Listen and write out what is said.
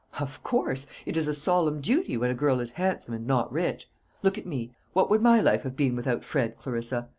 "Of course; it is a solemn duty when a girl is handsome and not rich. Look at me: what would my life have been without Fred, Clarissa?